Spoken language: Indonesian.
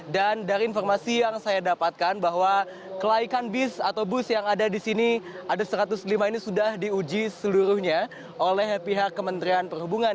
dan dari informasi yang saya dapatkan bahwa kelaikan bus yang ada di sini ada satu ratus lima ini sudah diuji seluruhnya oleh pihak kementerian perhubungan